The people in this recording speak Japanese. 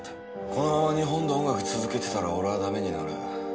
このまま日本で音楽続けてたら俺はダメになる。